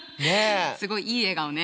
すごいいい笑顔ね。